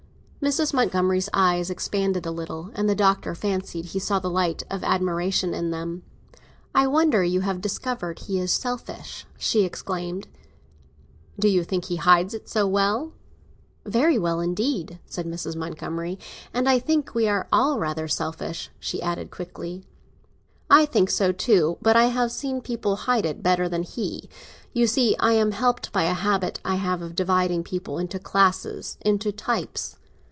Mrs. Montgomery's eyes expanded a little, and the Doctor fancied he saw the light of admiration in them. "I wonder you have discovered he is selfish!" she exclaimed. "Do you think he hides it so well?" "Very well indeed," said Mrs. Montgomery. "And I think we are all rather selfish," she added quickly. "I think so too; but I have seen people hide it better than he. You see I am helped by a habit I have of dividing people into classes, into types.